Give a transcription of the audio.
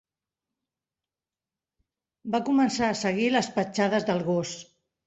Va començar a seguir les petjades del gos.